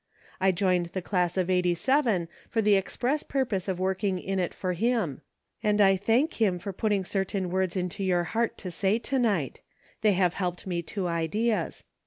I joined the class of '87 for the express purpose of working in it for him ; and I thank him for putting certain words into your heart to say to night ; they have helped me to ideas.